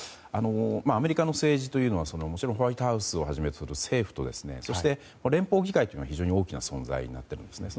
アメリカの政治というのはホワイトハウスをはじめとする政府とそして、連邦議会は非常に大きな存在になっているんですね。